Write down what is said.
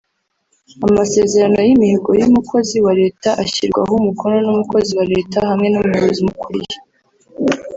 Amasezerano y’imihigo y’umukozi wa Leta ashyirwaho umukono n’umukozi wa Leta hamwe n’umuyobozi umukuriye